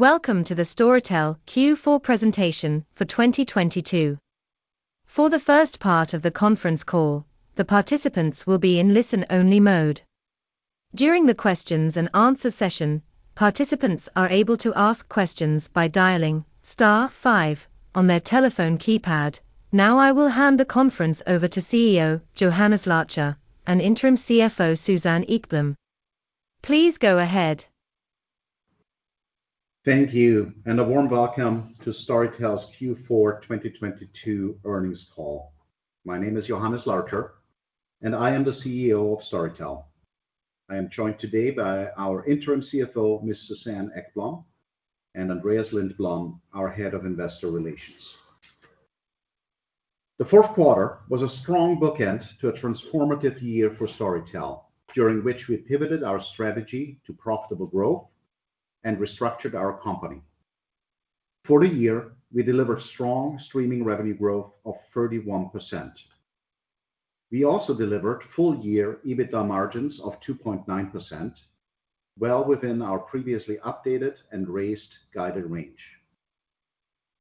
Welcome to the Storytel Q4 presentation for 2022. For the first part of the conference call, the participants will be in listen-only mode. During the questions and answer session, participants are able to ask questions by dialing star five on their telephone keypad. I will hand the conference over to CEO, Johannes Larcher, and Interim CFO, Susanne Ekblom. Please go ahead. Thank you, and a warm welcome to Storytel's Q4 2022 earnings call. My name is Johannes Larcher, and I am the CEO of Storytel. I am joined today by our interim CFO, Miss Susanne Ekblom, and Andreas Lindblom, our Head of Investor Relations. The fourth quarter was a strong bookend to a transformative year for Storytel, during which we pivoted our strategy to profitable growth and restructured our company. For the year, we delivered strong streaming revenue growth of 31%. We also delivered full year EBITDA margins of 2.9%, well within our previously updated and raised guided range.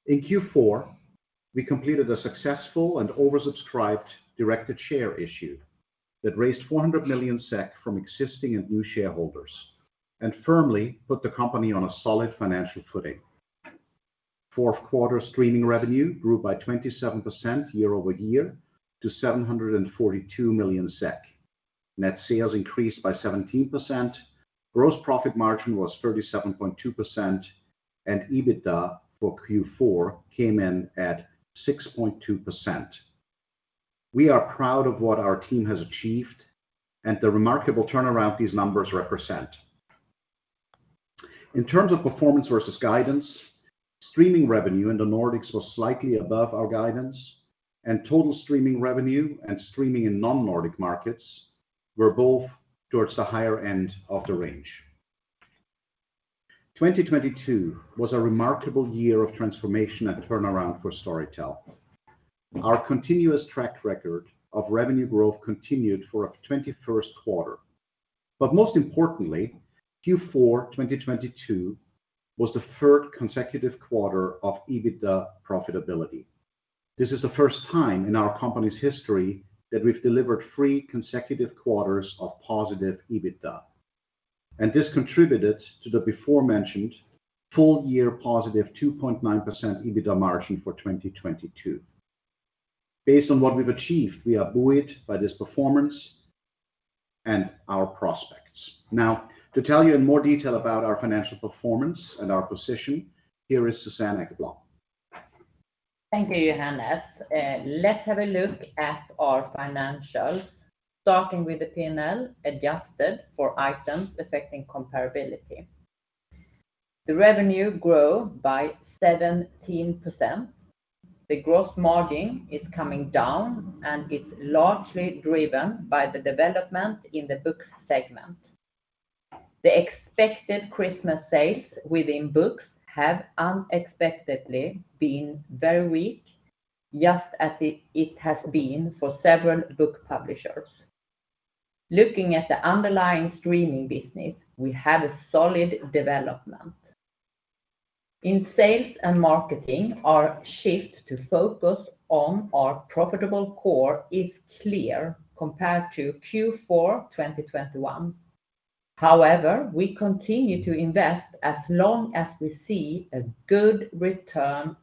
In Q4, we completed a successful and oversubscribed directed share issue that raised 400 million SEK from existing and new shareholders and firmly put the company on a solid financial footing. Fourth quarter streaming revenue grew by 27% year-over-year to 742 million SEK. Net sales increased by 17%. Gross profit margin was 37.2%, and EBITDA for Q4 came in at 6.2%. We are proud of what our team has achieved and the remarkable turnaround these numbers represent. In terms of performance versus guidance, streaming revenue in the Nordics was slightly above our guidance, and total streaming revenue and streaming in non-Nordic markets were both towards the higher end of the range. 2022 was a remarkable year of transformation and turnaround for Storytel. Our continuous track record of revenue growth continued for a 21st quarter. Most importantly, Q4 2022 was the third consecutive quarter of EBITDA profitability. This is the first time in our company's history that we've delivered three consecutive quarters of positive EBITDA. This contributed to the before mentioned full year positive 2.9% EBITDA margin for 2022. Based on what we've achieved, we are buoyed by this performance and our prospects. To tell you in more detail about our financial performance and our position, here is Susanne Ekblom. Thank you, Johannes. Let's have a look at our financials, starting with the P&L, adjusted for items affecting comparability. The revenue grow by 17%. The gross margin is coming down, and it's largely driven by the development in the books segment. The expected Christmas sales within books have unexpectedly been very weak, just as it has been for several book publishers. Looking at the underlying streaming business, we have a solid development. In sales and marketing, our shift to focus on our profitable core is clear compared to Q4 2021. However, we continue to invest as long as we see a good ROI.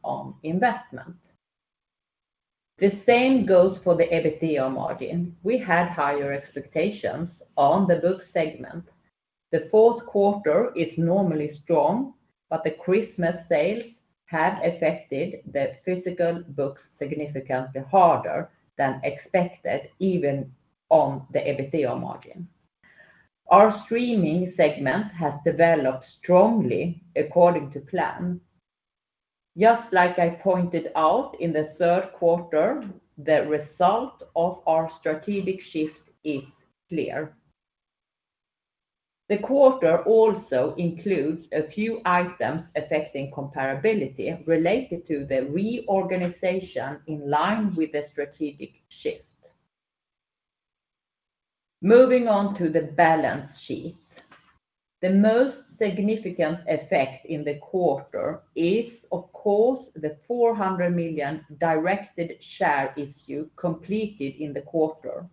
The same goes for the EBITDA margin. We had higher expectations on the book segment. The fourth quarter is normally strong, but the Christmas sales have affected the physical books significantly harder than expected, even on the EBITDA margin. Our streaming segment has developed strongly according to plan. Just like I pointed out in the third quarter, the result of our strategic shift is clear. The quarter also includes a few items affecting comparability related to the reorganization in line with the strategic shift. Moving on to the balance sheet. The most significant effect in the quarter is, of course, the 400 million directed share issue completed in the quarter.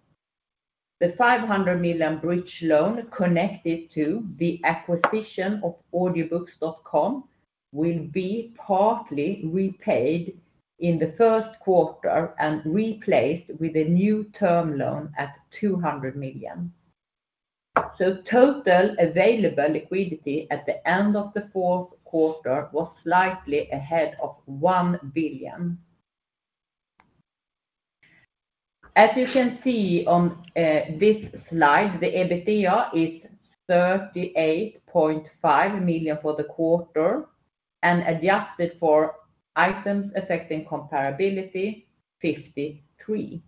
The 500 million bridge loan connected to the acquisition of Audiobooks.com will be partly repaid in the first quarter and replaced with a new term loan at 200 million. Total available liquidity at the end of the fourth quarter was slightly ahead of 1 billion. As you can see on this slide, the EBITDA is 38.5 million for the quarter and adjusted for items affecting comparability, 53 million.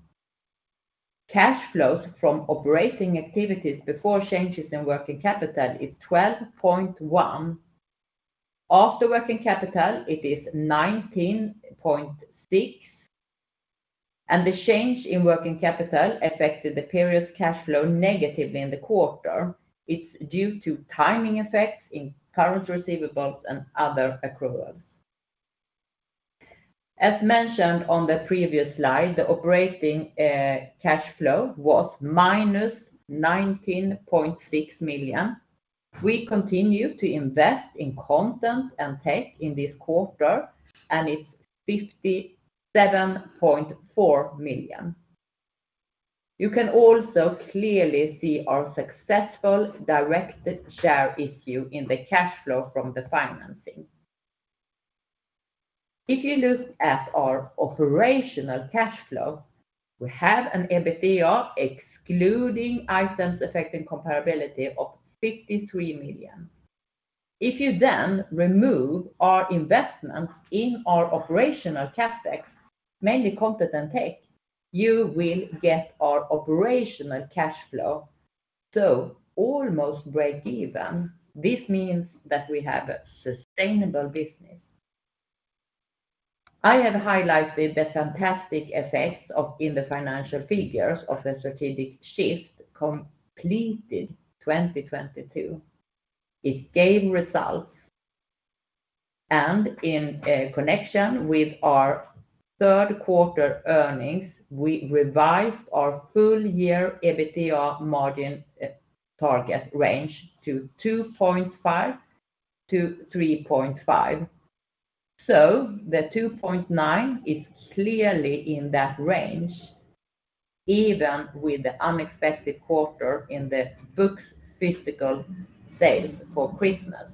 Cash flows from operating activities before changes in working capital is 12.1. After working capital, it is 19.6. The change in working capital affected the period's cash flow negatively in the quarter. It's due to timing effects in current receivables and other accruals. As mentioned on the previous slide, the operating cash flow was minus 19.6 million. We continue to invest in content and tech in this quarter, and it's 57.4 million. You can also clearly see our successful direct share issue in the cash flow from the financing. If you look at our operational cash flow, we have an EBITDA excluding items affecting comparability of 53 million. If you then remove our investments in our operational CapEx, mainly content and tech, you will get our operational cash flow to almost breakeven. This means that we have a sustainable business. I have highlighted the fantastic effects in the financial figures of the strategic shift completed 2022. It gave results. In connection with our third quarter earnings, we revised our full year EBITDA margin target range to 2.5%-3.5%. The 2.9% is clearly in that range, even with the unexpected quarter in the books physical sales for Christmas.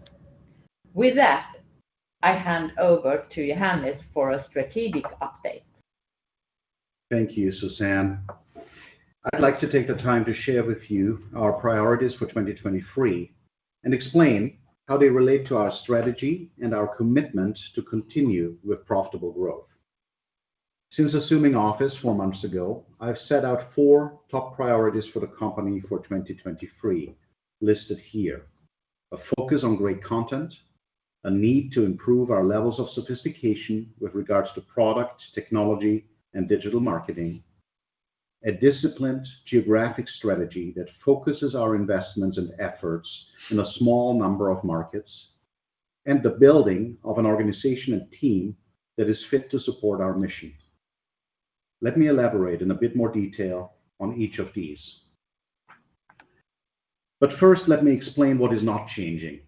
With that, I hand over to Johannes for a strategic update. Thank you, Susanne. I'd like to take the time to share with you our priorities for 2023 and explain how they relate to our strategy and our commitment to continue with profitable growth. Since assuming office four months ago, I've set out four top priorities for the company for 2023, listed here. A focus on great content, a need to improve our levels of sophistication with regards to product, technology, and digital marketing, a disciplined geographic strategy that focuses our investments and efforts in a small number of markets, and the building of an organization and team that is fit to support our mission. Let me elaborate in a bit more detail on each of these. First, let me explain what is not changing.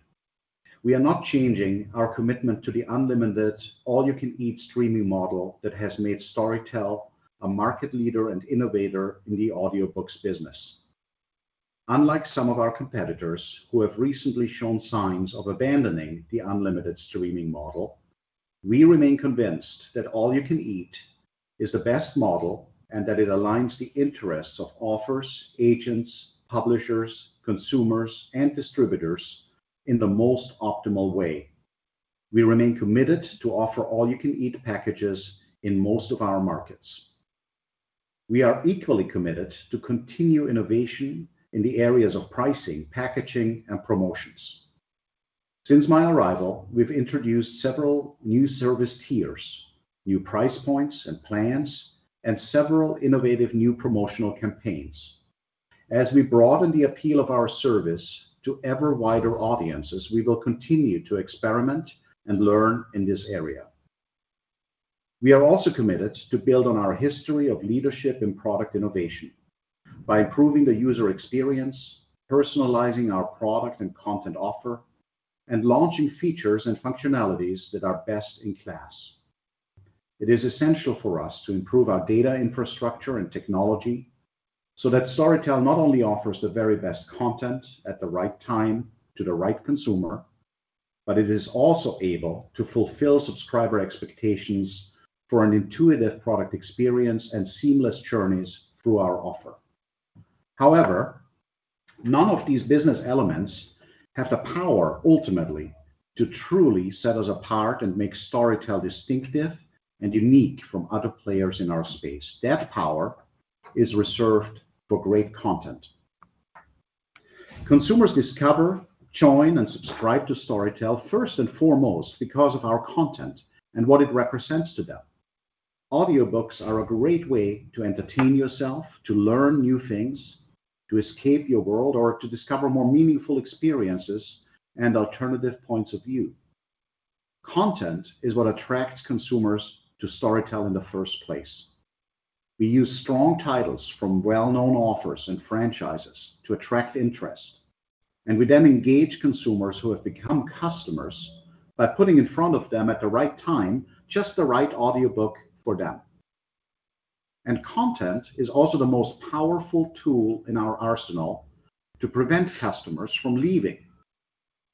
We are not changing our commitment to the unlimited all-you-can-eat streaming model that has made Storytel a market leader and innovator in the audiobooks business. Unlike some of our competitors who have recently shown signs of abandoning the unlimited streaming model, we remain convinced that all-you-can-eat is the best model and that it aligns the interests of authors, agents, publishers, consumers, and distributors in the most optimal way. We remain committed to offer all-you-can-eat packages in most of our markets. We are equally committed to continue innovation in the areas of pricing, packaging, and promotions. Since my arrival, we've introduced several new service tiers, new price points and plans, and several innovative new promotional campaigns. As we broaden the appeal of our service to ever wider audiences, we will continue to experiment and learn in this area. We are also committed to build on our history of leadership in product innovation by improving the user experience, personalizing our product and content offer, and launching features and functionalities that are best in class. It is essential for us to improve our data infrastructure and technology so that Storytel not only offers the very best content at the right time to the right consumer, but it is also able to fulfill subscriber expectations for an intuitive product experience and seamless journeys through our offer. None of these business elements have the power, ultimately, to truly set us apart and make Storytel distinctive and unique from other players in our space. That power is reserved for great content. Consumers discover, join, and subscribe to Storytel first and foremost because of our content and what it represents to them. Audiobooks are a great way to entertain yourself, to learn new things, to escape your world, or to discover more meaningful experiences and alternative points of view. Content is what attracts consumers to Storytel in the first place. We use strong titles from well-known authors and franchises to attract interest, we then engage consumers who have become customers by putting in front of them at the right time, just the right audiobook for them. Content is also the most powerful tool in our arsenal to prevent customers from leaving.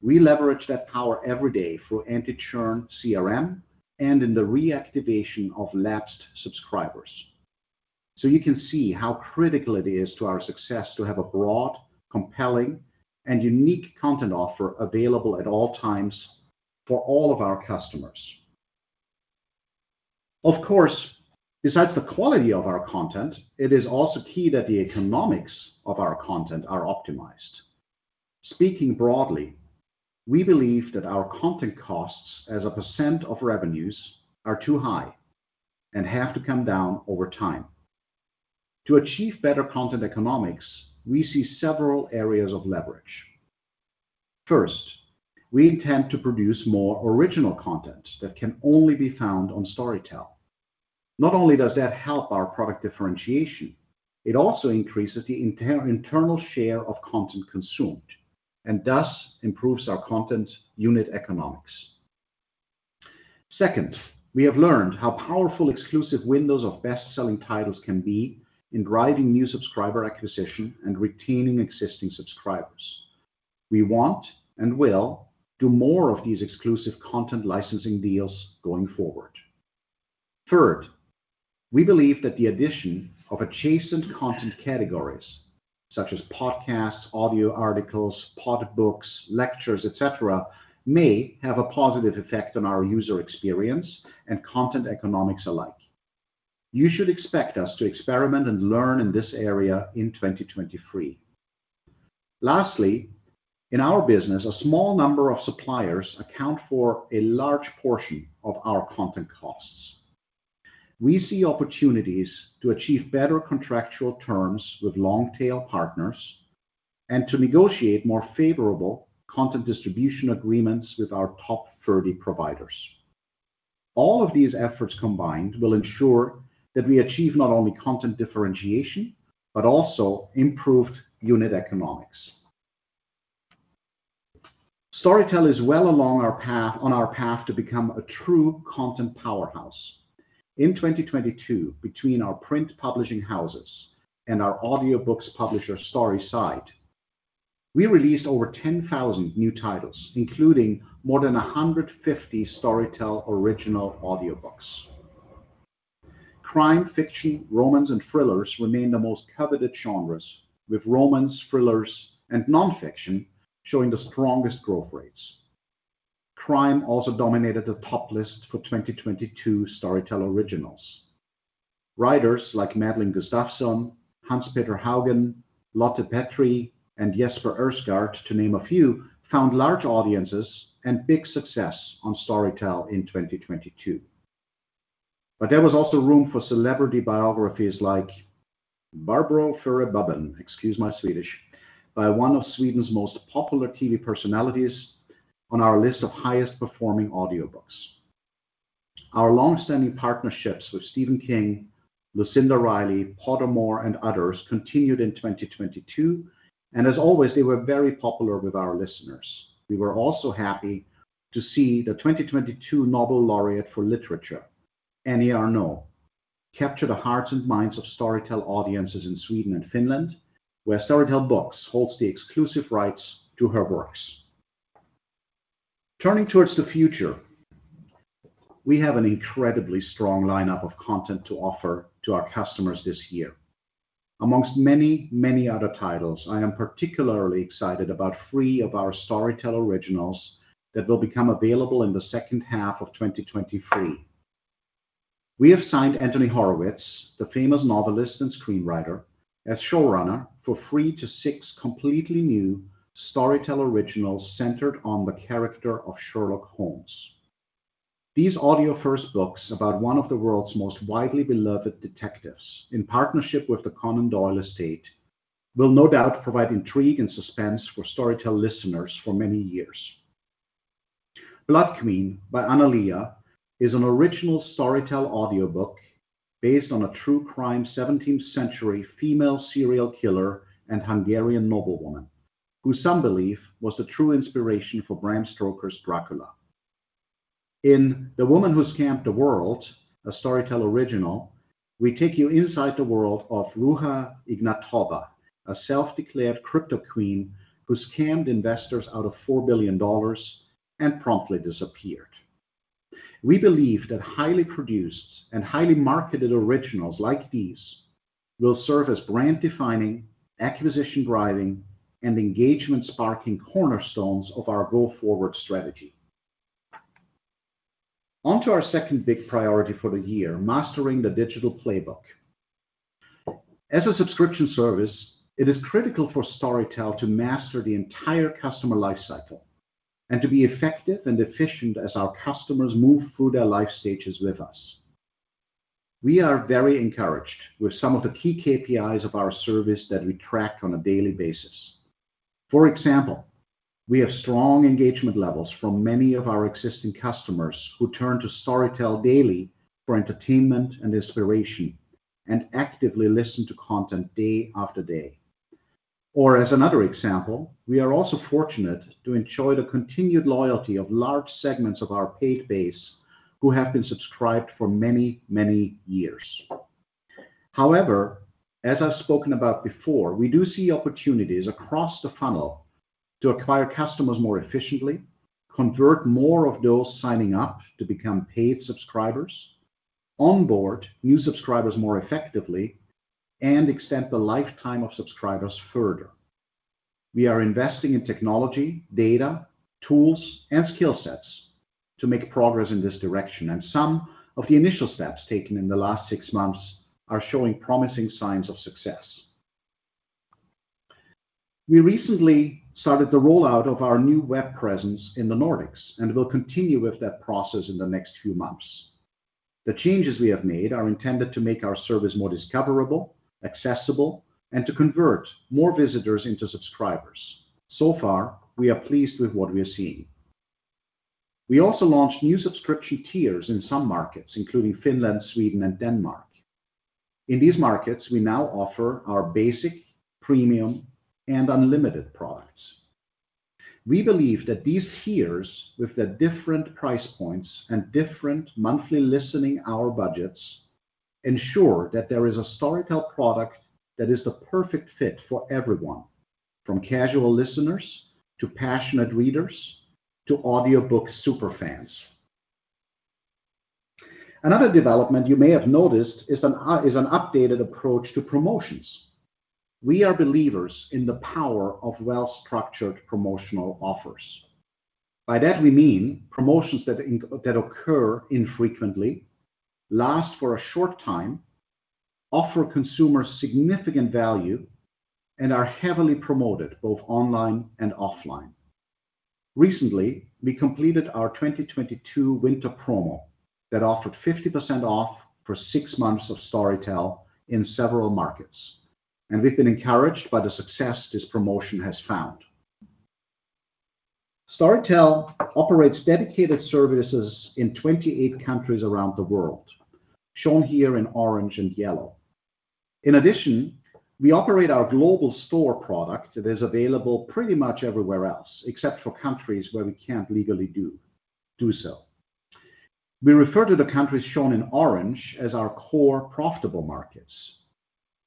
We leverage that power every day for anti-churn CRM and in the reactivation of lapsed subscribers. You can see how critical it is to our success to have a broad, compelling, and unique content offer available at all times for all of our customers. Of course, besides the quality of our content, it is also key that the economics of our content are optimized. Speaking broadly, we believe that our content costs as a % of revenues are too high and have to come down over time. To achieve better content economics, we see several areas of leverage. First, we intend to produce more original content that can only be found on Storytel. Not only does that help our product differentiation, it also increases the internal share of content consumed and thus improves our content unit economics. Second, we have learned how powerful exclusive windows of best-selling titles can be in driving new subscriber acquisition and retaining existing subscribers. We want and will do more of these exclusive content licensing deals going forward. Third, we believe that the addition of adjacent content categories such as podcasts, audio articles, pod-books, lectures, et cetera, may have a positive effect on our user experience and content economics alike. You should expect us to experiment and learn in this area in 2023. Lastly, in our business, a small number of suppliers account for a large portion of our content costs. We see opportunities to achieve better contractual terms with long-tail partners and to negotiate more favorable content distribution agreements with our top 30 providers. All of these efforts combined will ensure that we achieve not only content differentiation, but also improved unit economics. Storytel is well on our path to become a true content powerhouse. In 2022, between our print publishing houses and our audiobooks publisher, Storyside, we released over 10,000 new titles, including more than 150 Storytel original audiobooks. Crime fiction, romance, and thrillers remain the most coveted genres, with romance, thrillers, and nonfiction showing the strongest growth rates. Crime also dominated the top list for 2022 Storytel Originals. Writers like Madelene Gustavsson, Hans Petter Haugen, Lotte Petri, and Jesper Ursgaard, to name a few, found large audiences and big success on Storytel in 2022. There was also room for celebrity biographies like Barbro Färenth-Baben, excuse my Swedish, by one of Sweden's most popular TV personalities on our list of highest performing audiobooks. Our long-standing partnerships with Stephen King, Lucinda Riley, Pottermore and others continued in 2022, as always, they were very popular with our listeners. We were also happy to see the 2022 Nobel Laureate for literature, Annie Ernaux, capture the hearts and minds of Storytel audiences in Sweden and Finland, where Storytel Books holds the exclusive rights to her works. Turning towards the future, we have an incredibly strong lineup of content to offer to our customers this year. Amongst many, many other titles, I am particularly excited about 3 of our Storytel Originals that will become available in the second half of 2023. We have signed Anthony Horowitz, the famous novelist and screenwriter, as showrunner for 3-6 completely new Storytel Originals centered on the character of Sherlock Holmes. These audio-first books about one of the world's most widely beloved detectives in partnership with the Conan Doyle Estate, will no doubt provide intrigue and suspense for Storytel listeners for many years. Blood Queen by Anna Lea is an original Storytel Original audiobook based on a true crime 17th century female serial killer and Hungarian noblewoman, who some believe was the true inspiration for Bram Stoker's Dracula. In The Woman Who Scammed the World, a Storytel Original, we take you inside the world of Ruja Ignatova, a self-declared crypto queen who scammed investors out of $4 billion and promptly disappeared. We believe that highly produced and highly marketed Originals like these will serve as brand-defining, acquisition-driving, and engagement-sparking cornerstones of our go-forward strategy. On to our 2nd big priority for the year, mastering the digital playbook. As a subscription service, it is critical for Storytel to master the entire customer life cycle and to be effective and efficient as our customers move through their life stages with us. We are very encouraged with some of the key KPIs of our service that we track on a daily basis. For example, we have strong engagement levels from many of our existing customers who turn to Storytel daily for entertainment and inspiration and actively listen to content day after day. As another example, we are also fortunate to enjoy the continued loyalty of large segments of our paid base who have been subscribed for many, many years. As I've spoken about before, we do see opportunities across the funnel to acquire customers more efficiently, convert more of those signing up to become paid subscribers, onboard new subscribers more effectively, and extend the lifetime of subscribers further. We are investing in technology, data, tools, and skill sets to make progress in this direction, and some of the initial steps taken in the last six months are showing promising signs of success. We recently started the rollout of our new web presence in the Nordics. We'll continue with that process in the next few months. The changes we have made are intended to make our service more discoverable, accessible, and to convert more visitors into subscribers. So far, we are pleased with what we are seeing. We also launched new subscription tiers in some markets, including Finland, Sweden, and Denmark. In these markets, we now offer our basic, premium, and unlimited products. We believe that these tiers, with their different price points and different monthly listening hour budgets, ensure that there is a Storytel product that is the perfect fit for everyone, from casual listeners to passionate readers to audiobook super fans. Another development you may have noticed is an updated approach to promotions. We are believers in the power of well-structured promotional offers. By that, we mean promotions that occur infrequently, last for a short time, offer consumers significant value, and are heavily promoted both online and offline. Recently, we completed our 2022 winter promo that offered 50% off for 6 months of Storytel in several markets, and we've been encouraged by the success this promotion has found. Storytel operates dedicated services in 28 countries around the world, shown here in orange and yellow. In addition, we operate our global store product that is available pretty much everywhere else, except for countries where we can't legally do so. We refer to the countries shown in orange as our core profitable markets.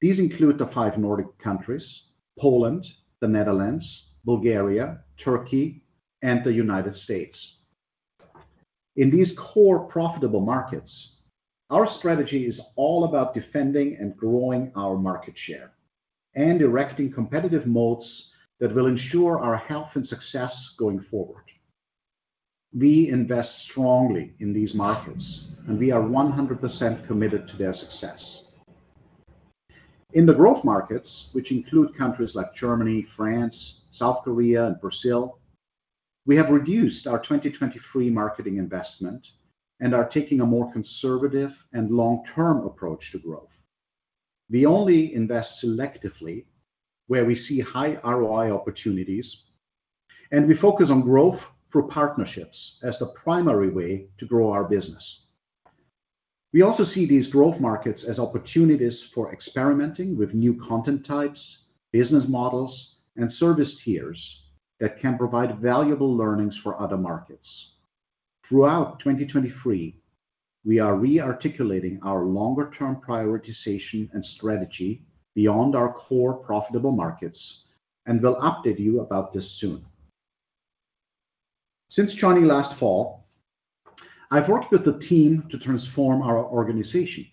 These include the five Nordic countries, Poland, the Netherlands, Bulgaria, Turkey, and the United States. In these core profitable markets, our strategy is all about defending and growing our market share and erecting competitive moats that will ensure our health and success going forward. We invest strongly in these markets, and we are 100% committed to their success. In the growth markets, which include countries like Germany, France, South Korea, and Brazil, we have reduced our 2023 marketing investment and are taking a more conservative and long-term approach to growth. We only invest selectively where we see high ROI opportunities, and we focus on growth through partnerships as the primary way to grow our business. We also see these growth markets as opportunities for experimenting with new content types, business models, and service tiers that can provide valuable learnings for other markets. Throughout 2023, we are re-articulating our longer term prioritization and strategy beyond our core profitable markets, and will update you about this soon. Since joining last fall, I've worked with the team to transform our organization.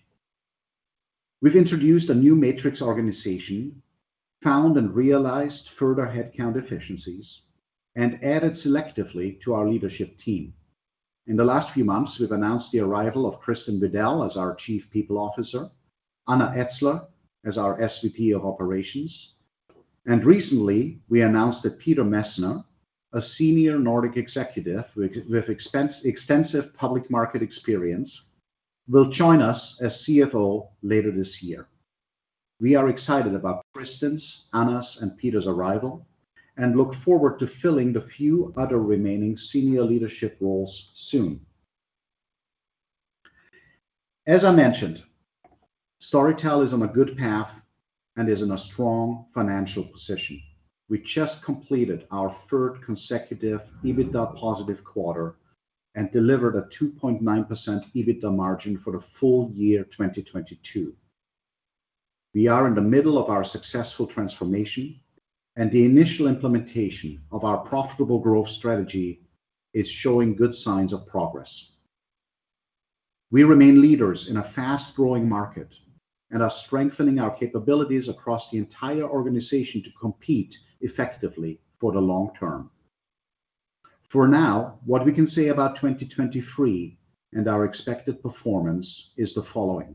We've introduced a new matrix organization, found and realized further headcount efficiencies, and added selectively to our leadership team. In the last few months, we've announced the arrival of Kristin Widell as our Chief People Officer, Anna Etzler as our SVP of Operations, and recently, we announced that Peter Messner, a senior Nordic executive with extensive public market experience, will join us as CFO later this year. We are excited about Kristin's, Anna's, and Peter's arrival and look forward to filling the few other remaining senior leadership roles soon. As I mentioned, Storytel is on a good path and is in a strong financial position. We just completed our third consecutive EBITDA positive quarter and delivered a 2.9% EBITDA margin for the full year 2022. We are in the middle of our successful transformation, and the initial implementation of our profitable growth strategy is showing good signs of progress. We remain leaders in a fast-growing market and are strengthening our capabilities across the entire organization to compete effectively for the long term. For now, what we can say about 2023 and our expected performance is the following: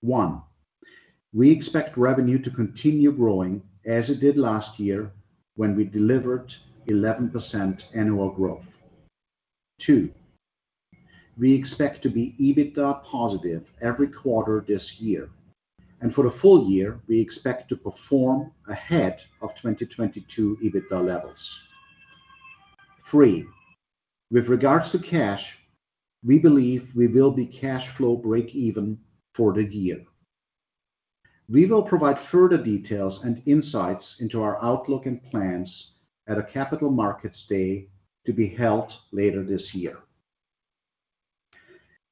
1. We expect revenue to continue growing as it did last year when we delivered 11% annual growth. 2. We expect to be EBITDA positive every quarter this year, and for the full year, we expect to perform ahead of 2022 EBITDA levels. 3. With regards to cash, we believe we will be cash flow break even for the year. We will provide further details and insights into our outlook and plans at a Capital Markets Day to be held later this year.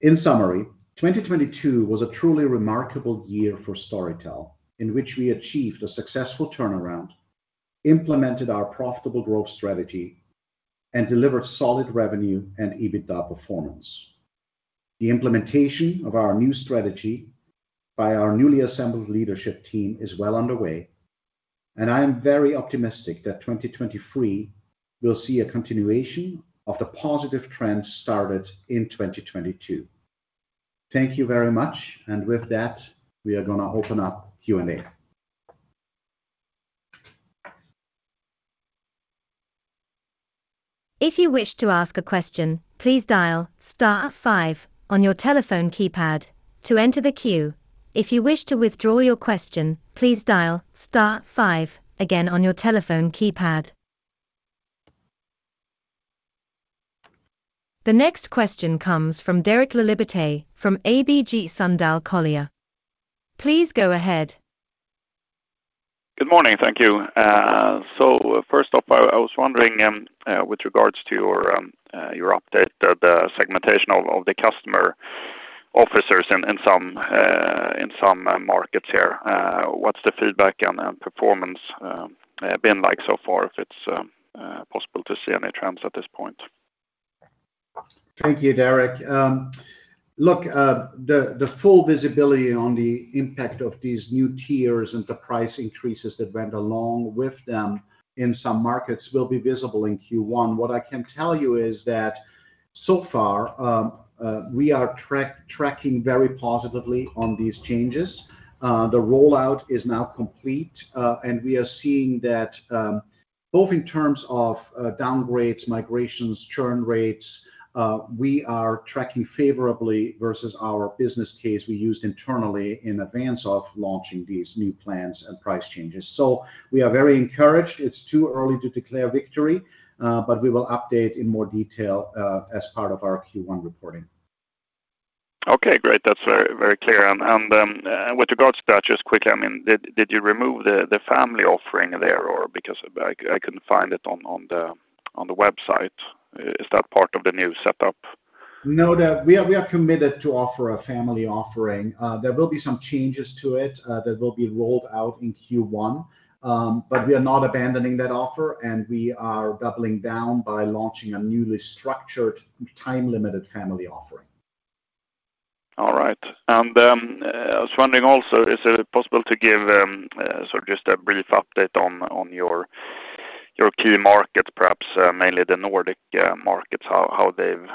In summary, 2022 was a truly remarkable year for Storytel, in which we achieved a successful turnaround, implemented our profitable growth strategy, and delivered solid revenue and EBITDA performance. The implementation of our new strategy by our newly assembled leadership team is well underway, and I am very optimistic that 2023 will see a continuation of the positive trends started in 2022. Thank you very much. With that, we are gonna open up Q&A. If you wish to ask a question, please dial star five on your telephone keypad to enter the queue. If you wish to withdraw your question, please dial star five again on your telephone keypad. The next question comes from Derek Laliberté from ABG Sundal Collier. Please go ahead. Good morning. Thank you. First off, I was wondering, with regards to your update, the segmentation of the customer officers in some markets here, what's the feedback and performance been like so far, if it's possible to see any trends at this point? Thank you, Derek. Look, the full visibility on the impact of these new tiers and the price increases that went along with them in some markets will be visible in Q1. What I can tell you is that so far, we are tracking very positively on these changes. The rollout is now complete, and we are seeing that, both in terms of downgrades, migrations, churn rates, we are tracking favorably versus our business case we used internally in advance of launching these new plans and price changes. We are very encouraged. It's too early to declare victory, but we will update in more detail, as part of our Q1 reporting. Okay, great. That's very clear. With regards to that, just quickly, I mean, did you remove the family offering there or because I couldn't find it on the website. Is that part of the new setup? No. We are committed to offer a family offering. There will be some changes to it, that will be rolled out in Q1. We are not abandoning that offer, and we are doubling down by launching a newly structured time-limited family offering. All right. I was wondering also, is it possible to give sort of just a brief update on your key markets, perhaps, mainly the Nordic markets, how they've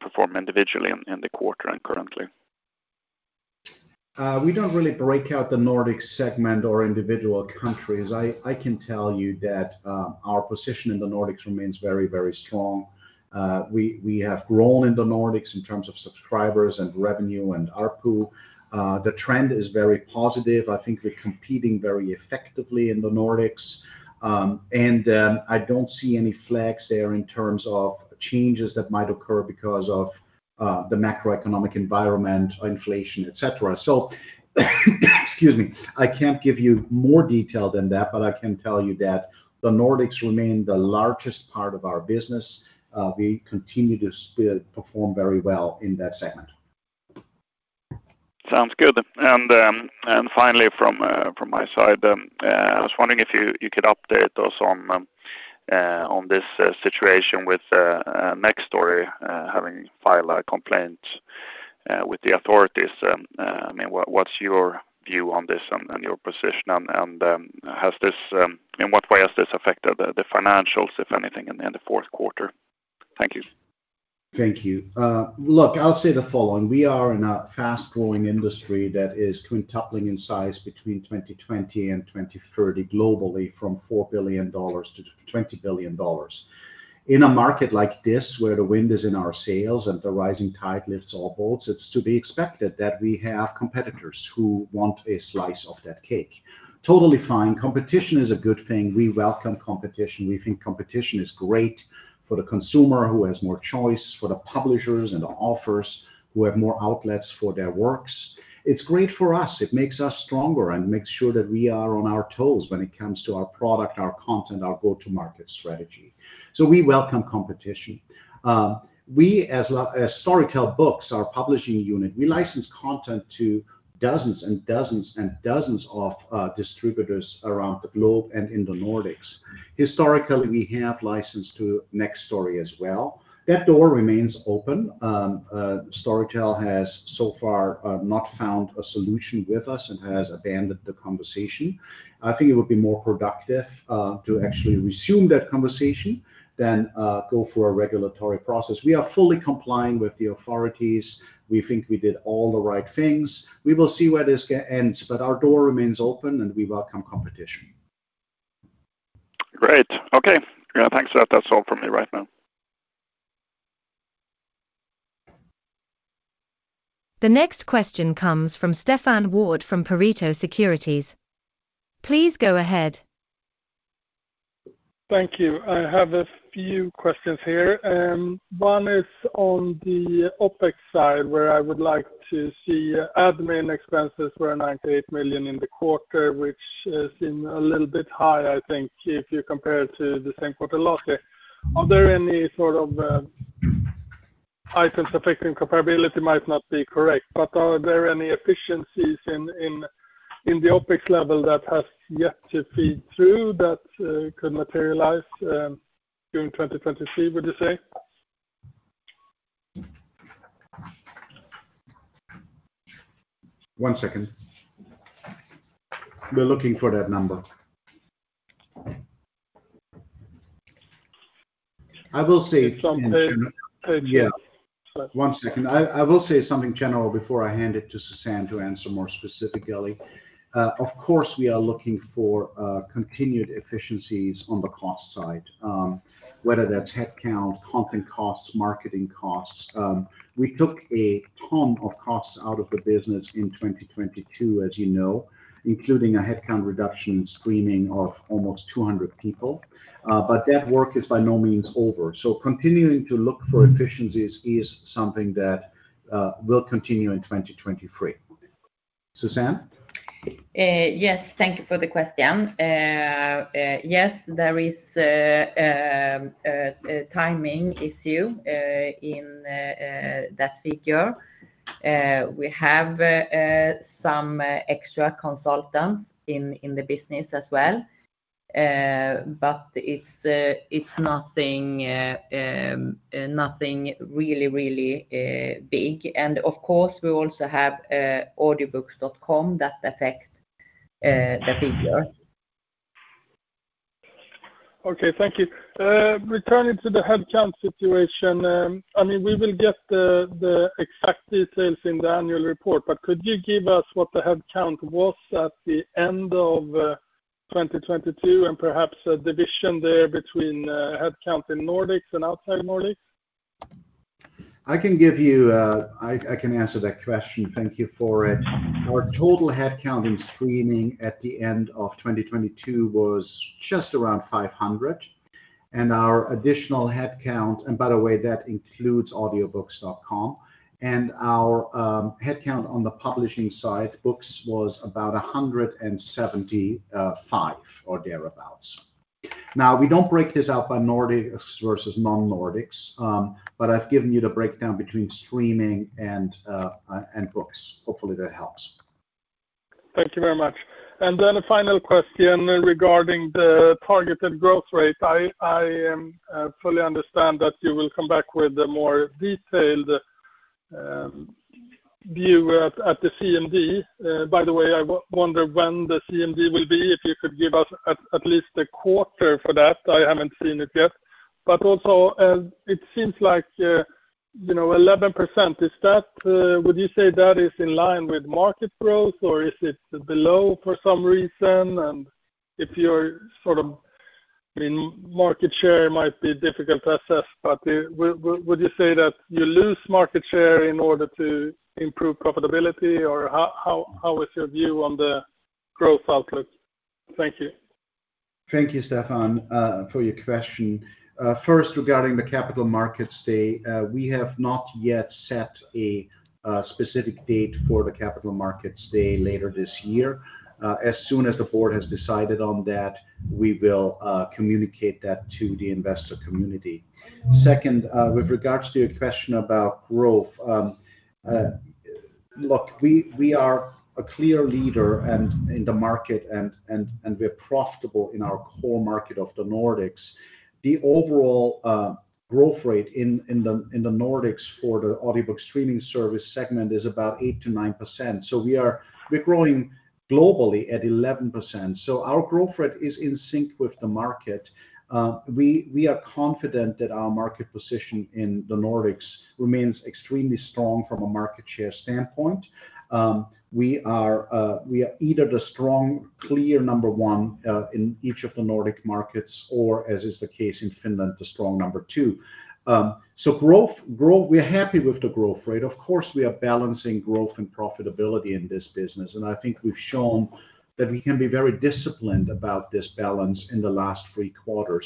performed individually in the quarter and currently? We don't really break out the Nordic segment or individual countries. I can tell you that our position in the Nordics remains very, very strong. We have grown in the Nordics in terms of subscribers and revenue and ARPU. The trend is very positive. I think we're competing very effectively in the Nordics. I don't see any flags there in terms of changes that might occur because of the macroeconomic environment or inflation, et cetera. Excuse me. I can't give you more detail than that, but I can tell you that the Nordics remain the largest part of our business. We continue to still perform very well in that segment. Sounds good. Finally from my side, I was wondering if you could update us on this situation with Nextory, having filed a complaint with the authorities. I mean, what's your view on this and your position? Has this in what way has this affected the financials, if anything, in the fourth quarter? Thank you. Thank you. Look, I'll say the following. We are in a fast-growing industry that is quintupling in size between 2020 and 2030 globally from $4 billion to $20 billion. In a market like this, where the wind is in our sails and the rising tide lifts all boats, it's to be expected that we have competitors who want a slice of that cake. Totally fine. Competition is a good thing. We welcome competition. We think competition is great for the consumer who has more choice, for the publishers and the authors who have more outlets for their works. It's great for us. It makes us stronger and makes sure that we are on our toes when it comes to our product, our content, our go-to-market strategy. We welcome competition. We as Storytel Books, our publishing unit, we license content to dozens and dozens and dozens of distributors around the globe and in the Nordics. Historically, we have licensed to Nextory as well. That door remains open. Storytel has so far not found a solution with us and has abandoned the conversation. I think it would be more productive to actually resume that conversation than go through a regulatory process. We are fully complying with the authorities. We think we did all the right things. We will see where this ends, but our door remains open, and we welcome competition. Great. Okay. Yeah, thanks for that. That's all from me right now. The next question comes from Stefan Wård from Pareto Securities. Please go ahead. Thank you. I have a few questions here. One is on the OpEx side where I would like to see admin expenses were 98 million in the quarter, which seem a little bit high, I think, if you compare it to the same quarter last year. Are there any sort of items affecting comparability might not be correct, but are there any efficiencies in the OpEx level that has yet to feed through that could materialize during 2023, would you say? One second. We're looking for that number. It's on page- One second. I will say something general before I hand it to Susanne to answer more specifically. Of course, we are looking for continued efficiencies on the cost side, whether that's headcount, content costs, marketing costs. We took a ton of costs out of the business in 2022, as you know, including a headcount reduction screening of almost 200 people. That work is by no means over. Continuing to look for efficiencies is something that will continue in 2023. Susanne? Yes, thank you for the question. Yes, there is a timing issue in that figure. We have some extra consultants in the business as well. But it's nothing really big. Of course, we also have Audiobooks.com that affect the figure. Okay, thank you. Returning to the headcount situation, I mean, we will get the exact details in the annual report, but could you give us what the headcount was at the end of 2022 and perhaps a division there between headcount in Nordics and outside Nordics? I can give you I can answer that question. Thank you for it. Our total headcount in streaming at the end of 2022 was just around 500. Our additional headcount, and by the way, that includes Audiobooks.com. Our headcount on the publishing side, books, was about 175 or thereabouts. We don't break this out by Nordics versus non-Nordics, I've given you the breakdown between streaming and books. Hopefully, that helps. Thank you very much. A final question regarding the targeted growth rate. I fully understand that you will come back with a more detailed view at the CMD. By the way, I wonder when the CMD will be, if you could give us at least a quarter for that. I haven't seen it yet. Also, it seems like, you know, 11%, is that, would you say that is in line with market growth, or is it below for some reason? If you're sort of, I mean, market share might be difficult to assess, but, would you say that you lose market share in order to improve profitability, or how is your view on the growth outlook? Thank you. Thank you, Stefan Wård, for your question. First, regarding the Capital Markets Day, we have not yet set a specific date for the Capital Markets Day later this year. As soon as the board has decided on that, we will communicate that to the investor community. Second, with regards to your question about growth, look, we are a clear leader in the market and we're profitable in our core market of the Nordics. The overall growth rate in the Nordics for the audiobook streaming service segment is about 8%-9%. We're growing globally at 11%. Our growth rate is in sync with the market. We are confident that our market position in the Nordics remains extremely strong from a market share standpoint. We are either the strong, clear number one in each of the Nordic markets or as is the case in Finland, the strong number two. Growth, we're happy with the growth rate. Of course, we are balancing growth and profitability in this business, and I think we've shown that we can be very disciplined about this balance in the last 3 quarters.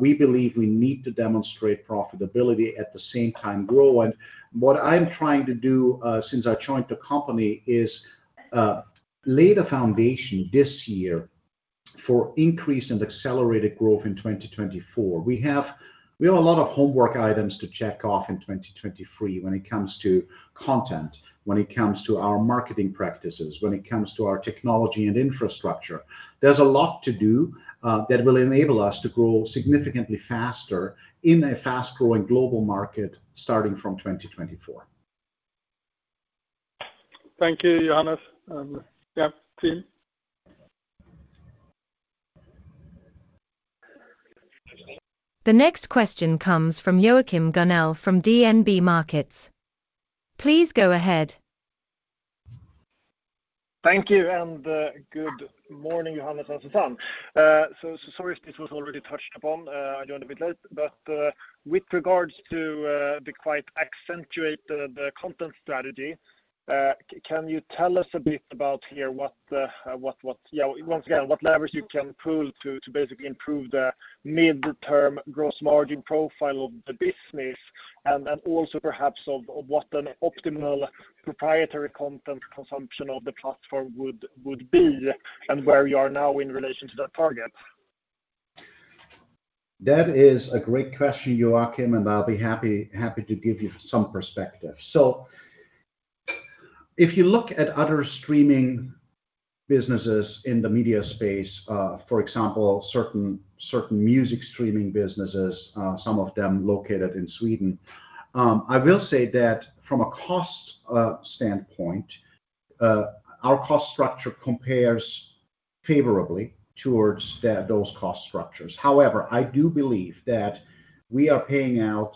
We believe we need to demonstrate profitability at the same time grow. What I'm trying to do, since I joined the company is lay the foundation this year for increase and accelerated growth in 2024. We have a lot of homework items to check off in 2023 when it comes to content, when it comes to our marketing practices, when it comes to our technology and infrastructure. There's a lot to do, that will enable us to grow significantly faster in a fast-growing global market starting from 2024. Thank you, Johannes. Yeah, team. The next question comes from Joachim Gunell from DNB Markets. Please go ahead. Thank you. Good morning, Johannes and Susanne. So sorry if this was already touched upon, I joined a bit late. With regards to the quite accentuate the content strategy, can you tell us a bit about here what the, what, yeah, once again, what levers you can pull to basically improve the midterm gross margin profile of the business, and then also perhaps of what an optimal proprietary content consumption of the platform would be, and where you are now in relation to that target? That is a great question, Joakim, and I'll be happy to give you some perspective. If you look at other streaming businesses in the media space, for example, certain music streaming businesses, some of them located in Sweden, I will say that from a cost standpoint, our cost structure compares favorably towards that, those cost structures. However, I do believe that we are paying out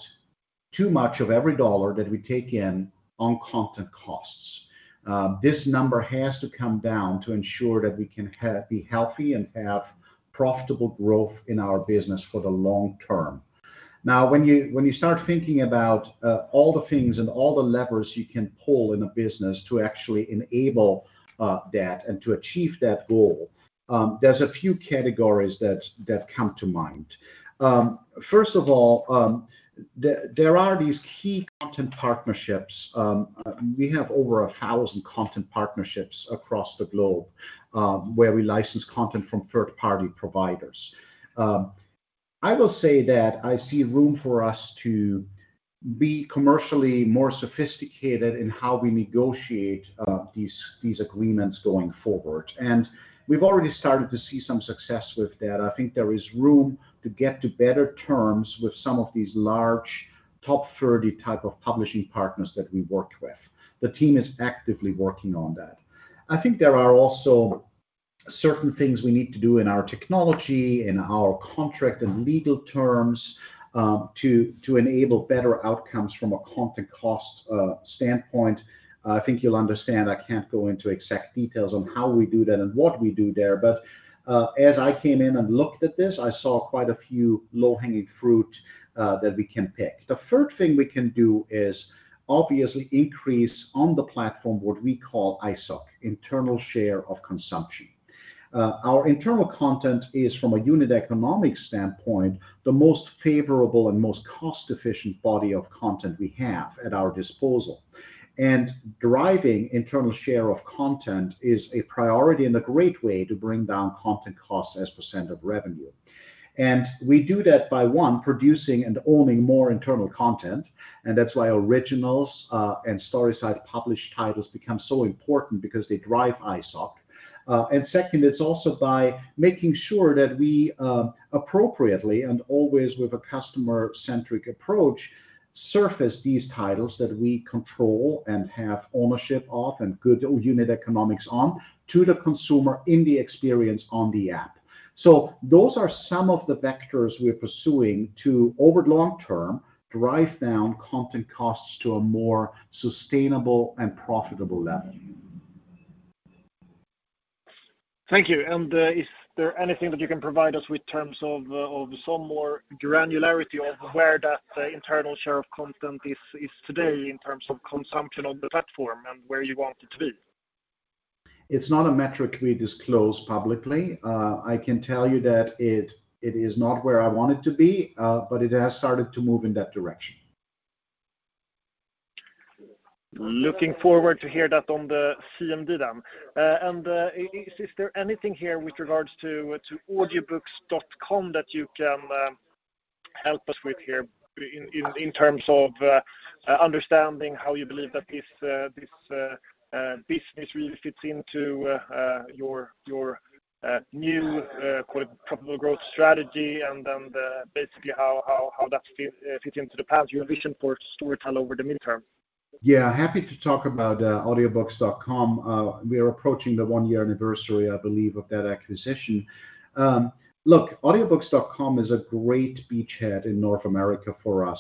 too much of every dollar that we take in on content costs. This number has to come down to ensure that we can be healthy and have profitable growth in our business for the long term. When you start thinking about all the things and all the levers you can pull in a business to actually enable that and to achieve that goal, there's a few categories that come to mind. First of all, there are these key content partnerships. We have over 1,000 content partnerships across the globe, where we license content from third-party providers. I will say that I see room for us to be commercially more sophisticated in how we negotiate these agreements going forward, and we've already started to see some success with that. I think there is room to get to better terms with some of these large top 30 type of publishing partners that we worked with. The team is actively working on that. I think there are also certain things we need to do in our technology and our contract and legal terms to enable better outcomes from a content cost standpoint. I think you'll understand, I can't go into exact details on how we do that and what we do there. As I came in and looked at this, I saw quite a few low-hanging fruit that we can pick. The third thing we can do is obviously increase on the platform, what we call ISOC, internal share of consumption. Our internal content is, from a unit economic standpoint, the most favorable and most cost-efficient body of content we have at our disposal. Driving internal share of content is a priority and a great way to bring down content cost as % of revenue. We do that by, one, producing and owning more internal content, and that's why Originals and Storyside published titles become so important because they drive ISOC. Second, it's also by making sure that we appropriately and always with a customer-centric approach, surface these titles that we control and have ownership of and good unit economics on to the consumer in the experience on the app. Those are some of the vectors we're pursuing to, over long term, drive down content costs to a more sustainable and profitable level. Thank you. Is there anything that you can provide us with terms of some more granularity of where that internal share of content is today in terms of consumption of the platform and where you want it to be? It's not a metric we disclose publicly. I can tell you that it is not where I want it to be, but it has started to move in that direction. Looking forward to hear that on the CMD then. Is there anything here with regards to Audiobooks.com that you can help us with here in terms of understanding how you believe that this business really fits into your new, call it profitable growth strategy and basically how that fit into the path, your vision for Storytel over the midterm? Yeah, happy to talk about Audiobooks.com. We are approaching the one-year anniversary, I believe, of that acquisition. Look, Audiobooks.com is a great beachhead in North America for us.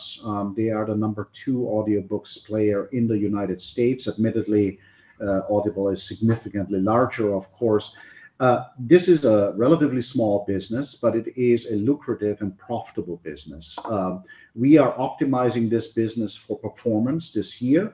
They are the number two audiobooks player in the United States. Admittedly, Audible is significantly larger, of course. This is a relatively small business, but it is a lucrative and profitable business. We are optimizing this business for performance this year.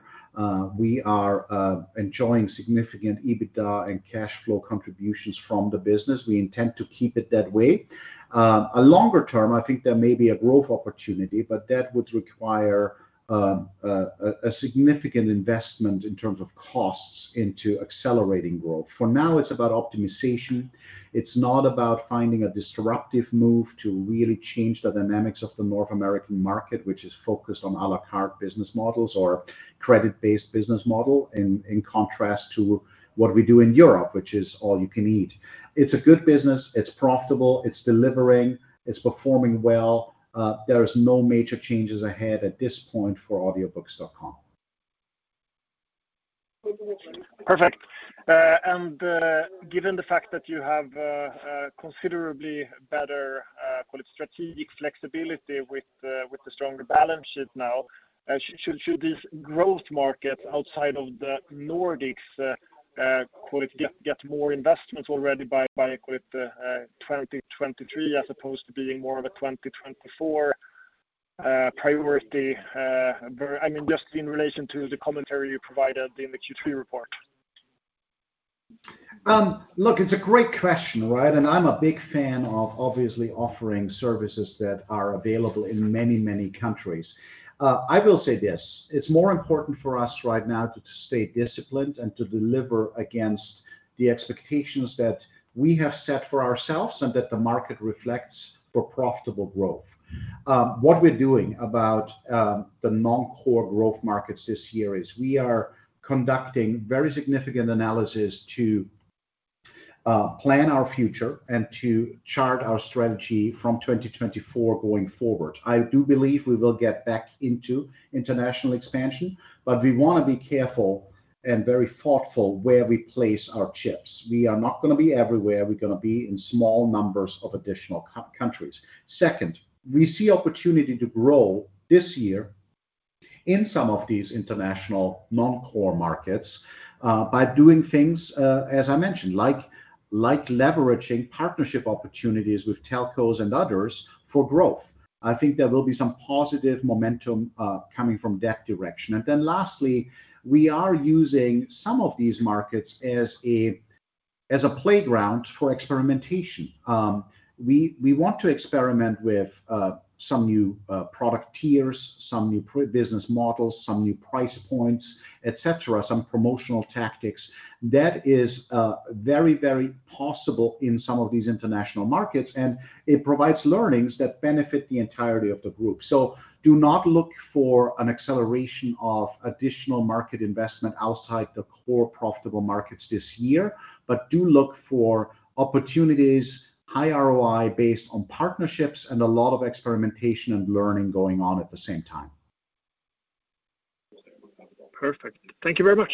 We are enjoying significant EBITDA and cash flow contributions from the business. We intend to keep it that way. A longer term, I think there may be a growth opportunity, but that would require a significant investment in terms of costs into accelerating growth. For now, it's about optimization. It's not about finding a disruptive move to really change the dynamics of the North American market, which is focused on à la carte business models or credit-based business model, in contrast to what we do in Europe, which is all you can eat. It's a good business, it's profitable, it's delivering, it's performing well. There is no major changes ahead at this point for Audiobooks.com. Perfect. Given the fact that you have considerably better, call it strategic flexibility with the stronger balance sheet now, should this growth market outside of the Nordics, call it get more investments already by, call it 2023, as opposed to being more of a 2024, priority? I mean, just in relation to the commentary you provided in the Q3 report. Look, it's a great question, right? I'm a big fan of obviously offering services that are available in many, many countries. I will say this, it's more important for us right now to stay disciplined and to deliver against the expectations that we have set for ourselves and that the market reflects for profitable growth. What we're doing about the non-core growth markets this year is we are conducting very significant analysis to plan our future and to chart our strategy from 2024 going forward. I do believe we will get back into international expansion, but we wanna be careful and very thoughtful where we place our chips. We are not gonna be everywhere. We're gonna be in small numbers of additional countries. Second, we see opportunity to grow this year in some of these international non-core markets, by doing things, as I mentioned, like leveraging partnership opportunities with telcos and others for growth. I think there will be some positive momentum coming from that direction. Lastly, we are using some of these markets as a playground for experimentation. We want to experiment with some new product tiers, some new business models, some new price points, etc., some promotional tactics. That is very, very possible in some of these international markets, and it provides learnings that benefit the entirety of the group. Do not look for an acceleration of additional market investment outside the core profitable markets this year, but do look for opportunities, high ROI based on partnerships and a lot of experimentation and learning going on at the same time. Perfect. Thank you very much.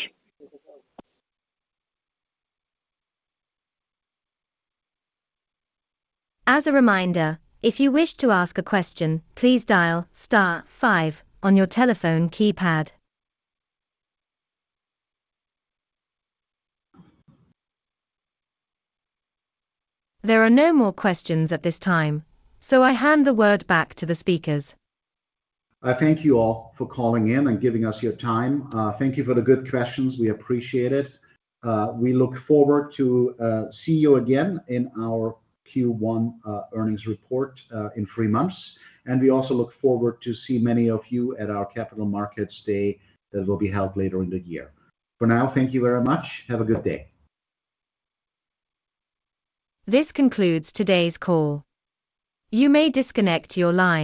As a reminder, if you wish to ask a question, please dial star five on your telephone keypad. There are no more questions at this time. I hand the word back to the speakers. I thank you all for calling in and giving us your time. Thank you for the good questions. We appreciate it. We look forward to see you again in our Q1 earnings report in three months. We also look forward to see many of you at our Capital Markets Day that will be held later in the year. For now, thank you very much. Have a good day. This concludes today's call. You may disconnect your line.